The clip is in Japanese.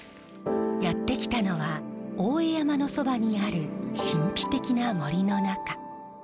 やって来たのは大江山のそばにある神秘的な森の中。